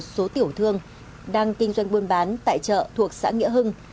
số tiểu thương đang kinh doanh buôn bán tại chợ thuộc xã nghĩa hưng